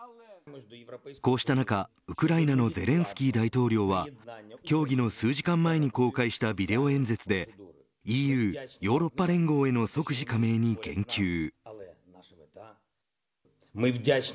こうした中、ウクライナのゼレンスキー大統領は協議の数時間前に公開したビデオ演説でＥＵヨーロッパ連合への即時加盟に言及。